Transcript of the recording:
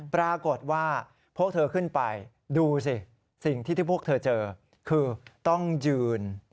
ปรากฏว่าพวกเธอขึ้นไปดูสิสิ่งที่พวกเธอเจอคือต้องยืน